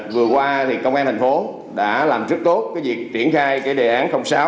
vừa qua thì công an thành phố đã làm rất tốt cái việc triển khai cái đề án sáu